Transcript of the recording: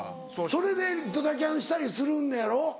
それでドタキャンしたりするのやろ？